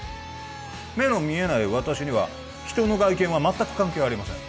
目の見えない私には人の外見は全く関係ありません